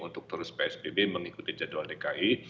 untuk terus psbb mengikuti jadwal dki